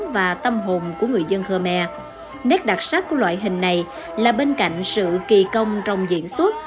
và tâm hồn của người dân khmer nét đặc sắc của loại hình này là bên cạnh sự kỳ công trong diễn xuất